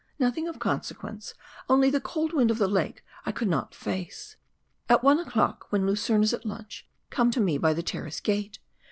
Nothing of consequence, only the cold wind of the lake I could not face. At one o'clock, when Lucerne is at lunch, come to me by the terrace gate.